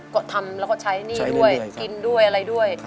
ก็ทำแล้วก็ใช้หนี้ด้วยกินด้วยอะไรด้วย